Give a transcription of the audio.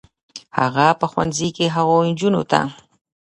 هغه به په ښوونځي کې هغو نجونو ته